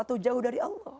atau jauh dari allah